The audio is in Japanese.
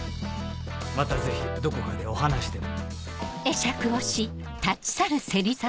またぜひどこかでお話でも。